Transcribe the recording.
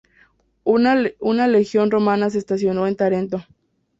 Una legión romana se estacionó en Tarento.